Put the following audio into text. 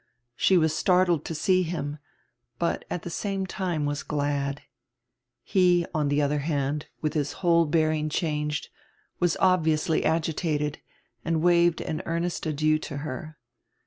She was startled to see him, but at die same time was glad. He, on die other hand, with his whole bearing changed, was obviously agitated, and waved an earnest adieu to her.